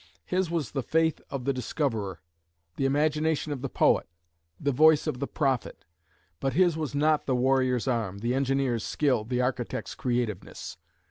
His was the faith of the discoverer, the imagination of the poet, the voice of the prophet. But his was not the warrior's arm, the engineer's skill, the architect's creativeness.